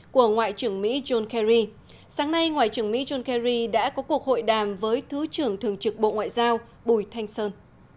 của ngoại trưởng mỹ john kerry sáng nay ngoại trưởng mỹ john kerry đã có cuộc hội đàm với thứ trưởng thường trực bộ ngoại giao bùi thanh sơn